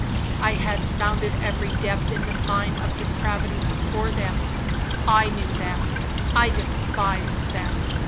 I had sounded every depth in the mine of depravity before them. I knew them,—I despised them.